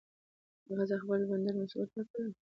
هغه زه خپل د بندر مسؤل وټاکلم.